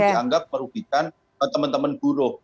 dianggap merugikan teman teman buruh